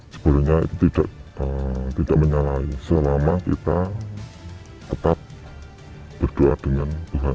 sebenarnya itu tidak menyalahi selama kita tetap berdoa dengan tuhan